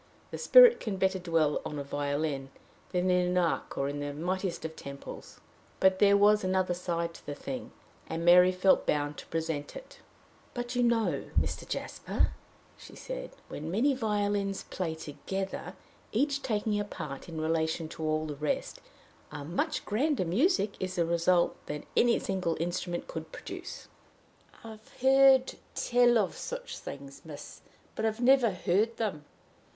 The Spirit can better dwell in a violin than in an ark or in the mightiest of temples. But there was another side to the thing, and Mary felt bound to present it. "But, you know, Mr. Jasper," she said, "when many violins play together, each taking a part in relation to all the rest, a much grander music is the result than any single instrument could produce." "I've heard tell of such things, miss, but I've never heard them."